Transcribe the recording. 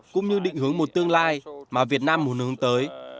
cũng như định hướng một tương lai mà việt nam muốn hướng tới